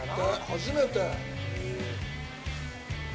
初めて。